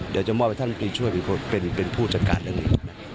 เดี๋ยวจะมอบให้ท่านปีช่วยเป็นผู้จัดการเรื่องนี้